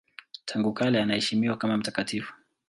Tangu kale anaheshimiwa kama mtakatifu.